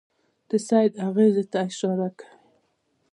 د سید اغېزې ته اشاره کوي.